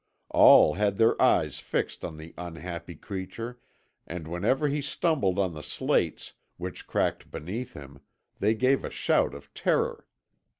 All had their eyes fixed on the unhappy creature, and whenever he stumbled on the slates, which cracked beneath him, they gave a shout of terror.